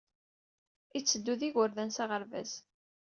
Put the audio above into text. Itteddu ed yigerdan s aɣerbaz.